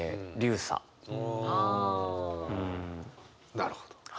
なるほど。